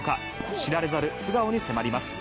知られざる素顔に迫ります。